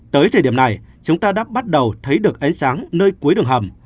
tới thời điểm này chúng ta đã bắt đầu thấy được ánh sáng nơi cuối đường hầm